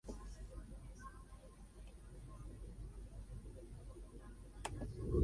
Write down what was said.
Es dueño del "Club Deportivo Guadalajara", fundador y Presidente del Consejo de "Grupo Omnilife".